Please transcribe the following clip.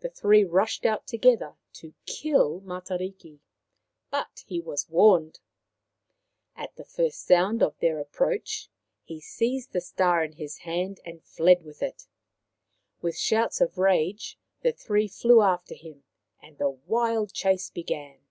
The three rushed out together to kill Matariki. But he was warned ! At the first sound of their approach he seized the star in his hand and fled with it. With shouts of rage the three flew after him, and the wild chase began.